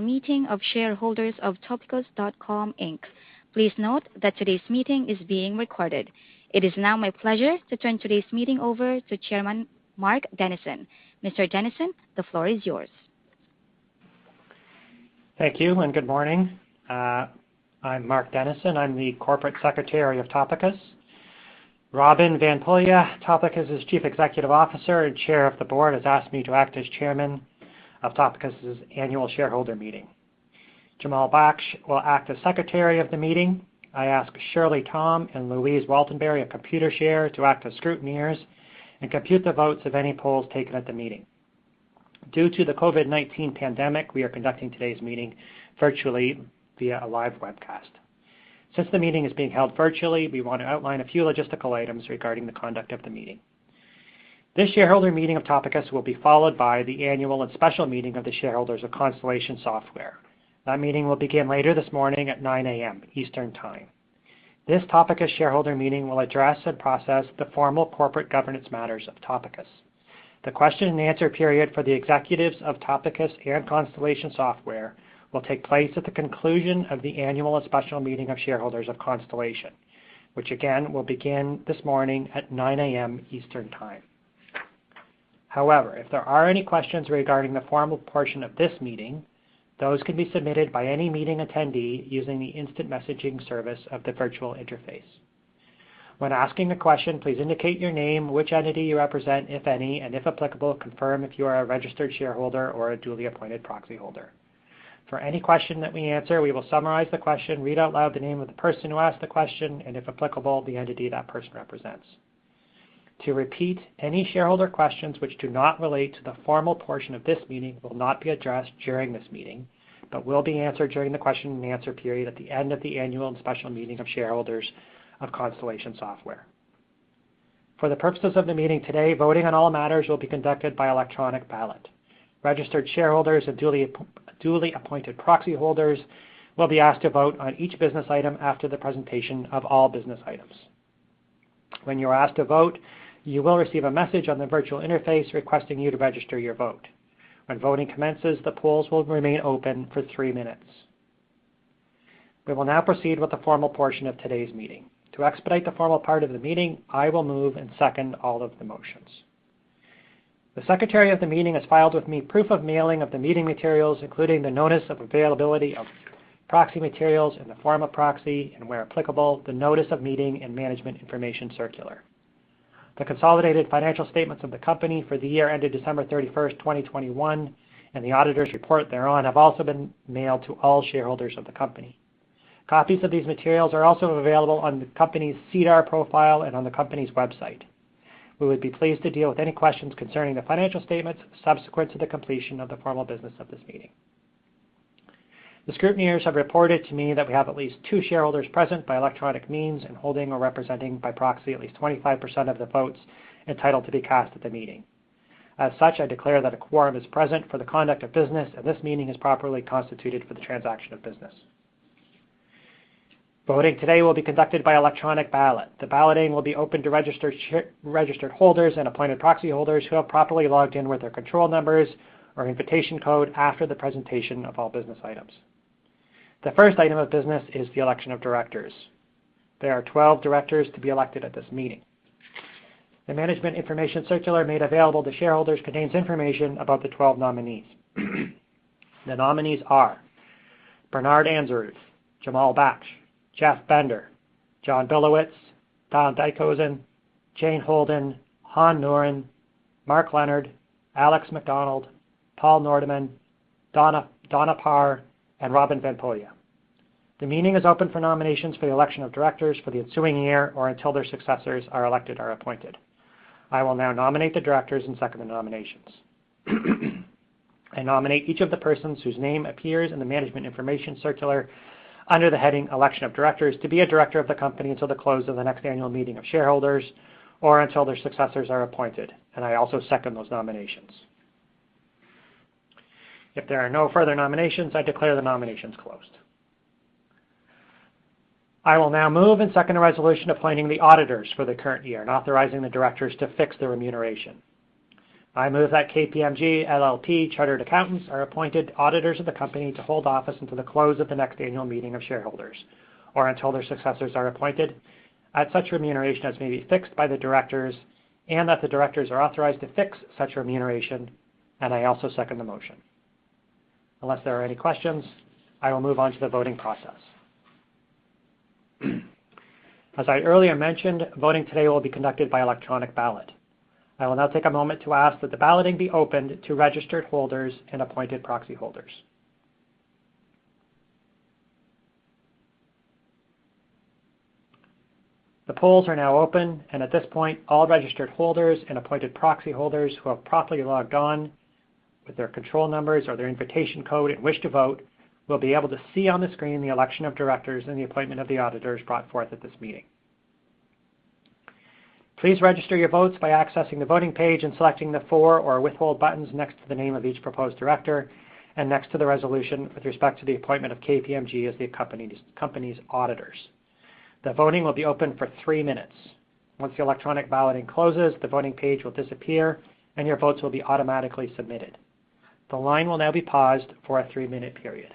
Meeting of shareholders of Topicus.com Inc. Please note that today's meeting is being recorded. It is now my pleasure to turn today's meeting over to Chairman Mark Dennison. Mr. Leonard, the floor is yours. Thank you and good morning. I'm Mark Dennison. I'm the corporate secretary of Topicus. Robin van Poelje, Topicus' Chief Executive Officer and Chair of the Board, has asked me to act as chairman of Topicus' annual shareholder meeting. Jamal Baksh will act as secretary of the meeting. I ask Shirley Tom and Louise Waltenbury of Computershare to act as scrutineers and compute the votes of any polls taken at the meeting. Due to the COVID-19 pandemic, we are conducting today's meeting virtually via a live webcast. Since the meeting is being held virtually, we want to outline a few logistical items regarding the conduct of the meeting. This shareholder meeting of Topicus will be followed by the annual and special meeting of the shareholders of Constellation Software. That meeting will begin later this morning at 9 A.M. Eastern Time. This Topicus shareholder meeting will address and process the formal corporate governance matters of Topicus. The question-and-answer period for the executives of Topicus and Constellation Software will take place at the conclusion of the annual and special meeting of shareholders of Constellation, which again will begin this morning at 9:00 A.M. Eastern Time. However, if there are any questions regarding the formal portion of this meeting, those can be submitted by any meeting attendee using the instant messaging service of the virtual interface. When asking a question, please indicate your name, which entity you represent, if any, and if applicable, confirm if you are a registered shareholder or a duly appointed proxy holder. For any question that we answer, we will summarize the question, read out loud the name of the person who asked the question and, if applicable, the entity that person represents. To repeat any shareholder questions which do not relate to the formal portion of this meeting will not be addressed during this meeting, but will be answered during the question-and-answer period at the end of the annual and special meeting of shareholders of Constellation Software. For the purposes of the meeting today, voting on all matters will be conducted by electronic ballot. Registered shareholders and duly appointed proxy holders will be asked to vote on each business item after the presentation of all business items. When you are asked to vote, you will receive a message on the virtual interface requesting you to register your vote. When voting commences, the polls will remain open for three minutes. We will now proceed with the formal portion of today's meeting. To expedite the formal part of the meeting, I will move and second all of the motions. The secretary of the meeting has filed with me proof of mailing of the meeting materials, including the notice of availability of proxy materials in the form of proxy and, where applicable, the notice of meeting and Management Information Circular. The consolidated financial statements of the company for the year ended 31 December, 2021, and the auditor's report thereon have also been mailed to all shareholders of the company. Copies of these materials are also available on the company's SEDAR profile and on the company's website. We would be pleased to deal with any questions concerning the financial statements subsequent to the completion of the formal business of this meeting. The scrutineers have reported to me that we have at least two shareholders present by electronic means and holding or representing by proxy at least 25% of the votes entitled to be cast at the meeting. As such, I declare that a quorum is present for the conduct of business, and this meeting is properly constituted for the transaction of business. Voting today will be conducted by electronic ballot. The balloting will be open to registered holders and appointed proxy holders who have properly logged in with their control numbers or invitation code after the presentation of all business items. The first item of business is the election of directors. There are 12 directors to be elected at this meeting. The Management Information Circular made available to shareholders contains information about the 12 nominees. The nominees are Bernard Anzarouth, Jamal Baksh, Jeff Bender, John Billowits, Daan Dijkhuizen, Jane Holden, Han Knooren, Mark Leonard, Alex Macdonald, Paul Noordeman, Donna Parr, and Robin van Poelje. The meeting is open for nominations for the election of directors for the ensuing year or until their successors are elected or appointed. I will now nominate the directors and second the nominations. I nominate each of the persons whose name appears in the Management Information Circular under the heading Election of Directors, to be a director of the company until the close of the next annual meeting of shareholders or until their successors are appointed. I also second those nominations. If there are no further nominations, I declare the nominations closed. I will now move and second a resolution appointing the auditors for the current year and authorizing the directors to fix their remuneration. I move that KPMG LLP Chartered Accountants are appointed auditors of the company to hold office until the close of the next annual meeting of shareholders or until their successors are appointed, at such remuneration as may be fixed by the directors, and that the directors are authorized to fix such remuneration. I also second the motion. Unless there are any questions, I will move on to the voting process. As I earlier mentioned, voting today will be conducted by electronic ballot. I will now take a moment to ask that the balloting be opened to registered holders and appointed proxy holders. The polls are now open, and at this point, all registered holders and appointed proxy holders who have properly logged on with their control numbers or their invitation code and wish to vote will be able to see on the screen the election of directors and the appointment of the auditors brought forth at this meeting. Please register your votes by accessing the voting page and selecting the for or withhold buttons next to the name of each proposed director and next to the resolution with respect to the appointment of KPMG as the company's auditors. The voting will be open for three minutes. Once the electronic balloting closes, the voting page will disappear, and your votes will be automatically submitted. The line will now be paused for a three-minute period.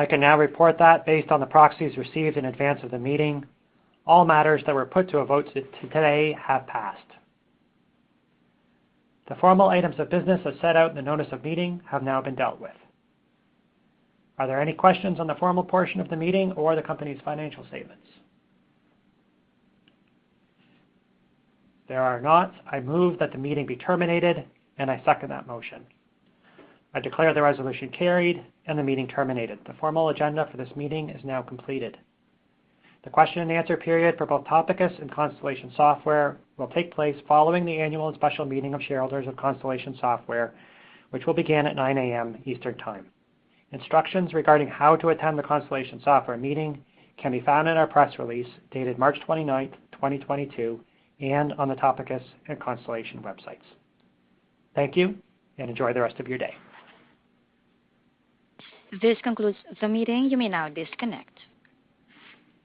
I can now report that based on the proxies received in advance of the meeting, all matters that were put to a vote today have passed. The formal items of business as set out in the notice of meeting have now been dealt with. Are there any questions on the formal portion of the meeting or the company's financial statements? There are not. I move that the meeting be terminated, and I second that motion. I declare the resolution carried and the meeting terminated. The formal agenda for this meeting is now completed. The question-and-answer period for both Topicus and Constellation Software will take place following the annual and special meeting of shareholders of Constellation Software, which will begin at 9:00 A.M. Eastern Time. Instructions regarding how to attend the Constellation Software meeting can be found in our press release dated 29 March, 2022, and on the Topicus and Constellation websites. Thank you, and enjoy the rest of your day. This concludes the meeting. You may now disconnect.